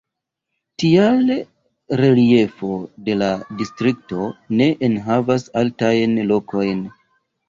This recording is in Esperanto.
Tial reliefo de la distrikto ne enhavas altajn lokojn.